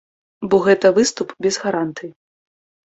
Бо гэта выступ без гарантыі.